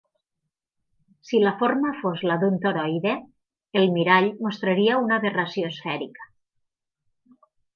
Si la forma fos la d'un toroide, el mirall mostraria una aberració esfèrica.